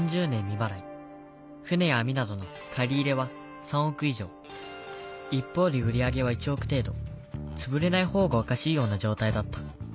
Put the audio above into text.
未払い船や網などの借り入れは３億以上一方で売り上げは１億程度つぶれないほうがおかしいような状態だった